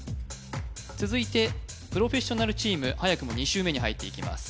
続いてプロフェッショナルチーム早くも２周目に入っていきます